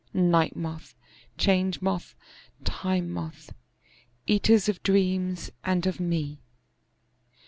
Night Moth, Change Moth, Time Moth, eaters of dreams and of me!